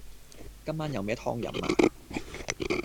今晚有咩湯飲呀